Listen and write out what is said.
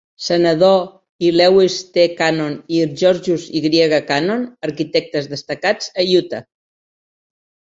Senador; i Lewis T. Cannon i Georgius Y. Cannon, arquitectes destacats a Utah.